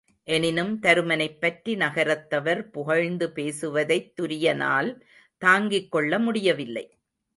எனினும் தருமனைப்பற்றி நகரத்தவர் புகழ்ந்து பேசுவதைத் துரியனால் தாங்கிக் கொள்ள முடியவில்லை.